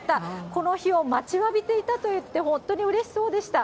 この日を待ちわびていたと言って、本当にうれしそうでした。